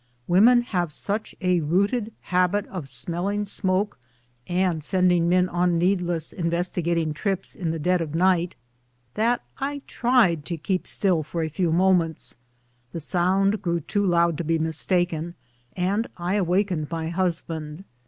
Women have such a rooted habit of smelling smoke and sending men on needless investigating trips in the dead of night, that I tried to keep still for a few moments. The sound grew too loud to be mistaken, and I awakened my husband.